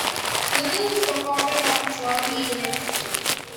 Little is recorded of his early years.